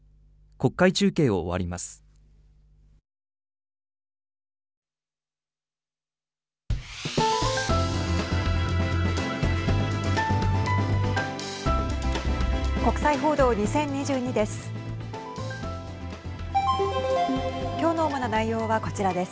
国際報道２０２２です。